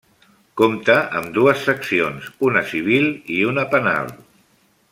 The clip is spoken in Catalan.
Compta amb dues seccions: una civil i una penal.